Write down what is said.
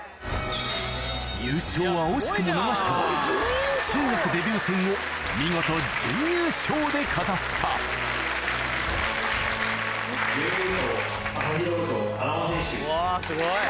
優勝は惜しくも逃したが中学デビュー戦を見事準優勝で飾ったうわすごい。